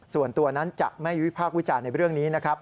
ส่วนตัวนั้นจะไม่วิพากษ์วิจารณ์ในเรื่องนี้นะครับ